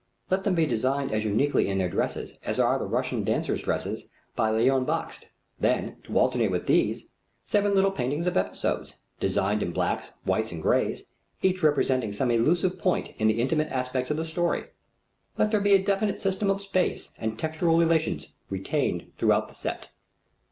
Let them be designed as uniquely in their dresses as are the Russian dancers' dresses, by Léon Bakst. Then to alternate with these, seven little paintings of episodes, designed in blacks, whites, and grays, each representing some elusive point in the intimate aspects of the story. Let there be a definite system of space and texture relations retained throughout the set.